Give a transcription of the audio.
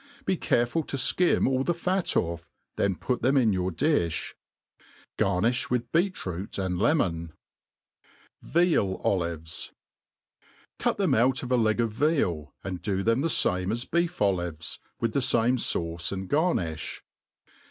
Be careful %o fkim all the fat oiF, then pyt them in your diih* Qarnifl^ with beet root ^nd lemon. '■ F^cil Olivet, CUT theiiii out of a leg of veal, and do them tlie fame a^ ^ t>eef olives, with the fame fauc^ and garniQi.